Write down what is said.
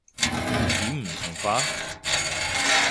點唔同法？